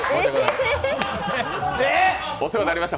お世話になりました、